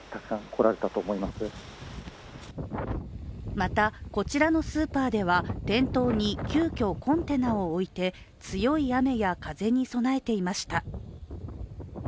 また、こちらのスーパーでは店頭に急きょコンテナを置いて、強い雨や風に備えていました。